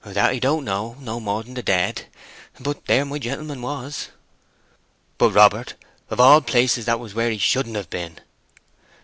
"That I don't know no more than the dead; but there my gentleman was." "But, Robert, of all places, that was where he shouldn't have been!"